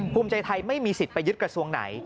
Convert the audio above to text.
ภูมิใจไทยไม่มีสิทธิ์ไปยึดกระทรวงไหน